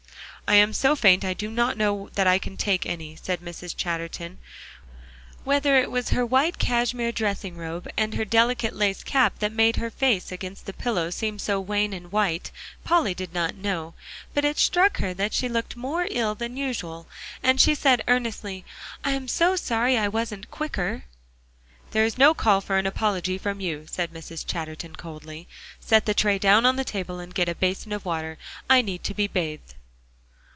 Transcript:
"I am so faint I do not know that I can take any," said Mrs. Chatterton. Whether it was her white cashmere dressing robe, and her delicate lace cap that made her face against the pillows seem wan and white, Polly did not know. But it struck her that she looked more ill than usual, and she said earnestly, "I am so sorry I wasn't quicker." "There is no call for an apology from you," said Mrs. Chatterton coldly. "Set the tray down on the table, and get a basin of water; I need to be bathed."